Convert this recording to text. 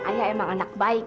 ayah emang anak baik